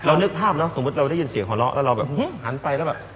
นึกภาพเนอะสมมุติเราได้ยินเสียงหัวเราะแล้วเราแบบหันไปแล้วแบบ